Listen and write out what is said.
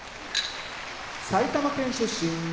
埼玉県出身